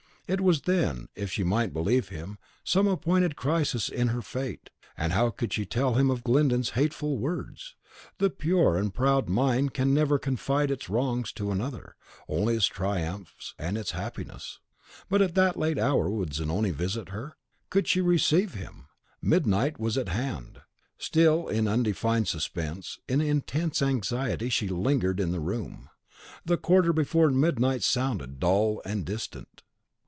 It was, then, if she might believe him, some appointed crisis in her fate; and how should she tell him of Glyndon's hateful words? The pure and the proud mind can never confide its wrongs to another, only its triumphs and its happiness. But at that late hour would Zanoni visit her, could she receive him? Midnight was at hand. Still in undefined suspense, in intense anxiety, she lingered in the room. The quarter before midnight sounded, dull and distant.